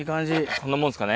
こんなもんすかね。